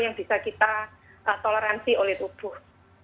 yang bisa kita toleransi oleh tubuh